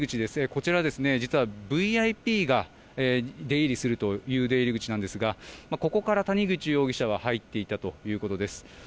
こちら実はＶＩＰが出入りするという出入り口なんですがここから谷口容疑者は入っていったということです。